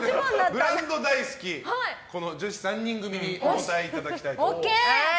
ブランド大好き女子３人組にお答えいただきたいと思います。